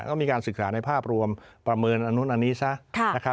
ก็มีการศึกษาในภาพรวมประเมินอันนู้นอันนี้ซะ